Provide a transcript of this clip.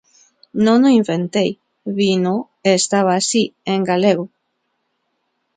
Non o inventei: vino, e estaba así, en galego.